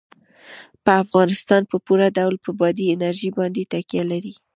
افغانستان په پوره ډول په بادي انرژي باندې تکیه لري.